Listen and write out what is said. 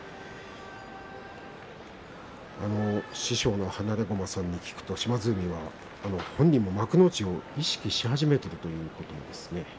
師匠の放駒さんに聞くと島津海は本人も幕内を意識し始めているということでした。